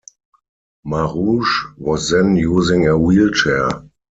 Maruge was then using a wheelchair.